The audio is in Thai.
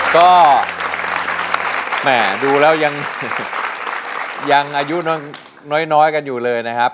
ก็แหม่ดูแล้วยังอายุน้อยกันอยู่เลยนะครับ